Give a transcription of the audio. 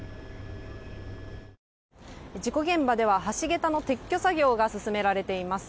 事故現場では橋桁の撤去作業が進められています。